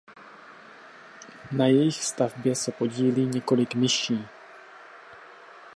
Na jejich stavbě se podílí několik myší.